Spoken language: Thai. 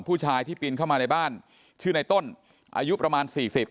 ผู้ชายที่ปีนเข้ามาในบ้านชื่อในต้นอายุประมาณ๔๐